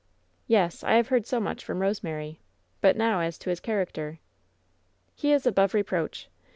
"Yes, I have heard so much from Sosemary. But ftow as to his character?" "He is above reproach.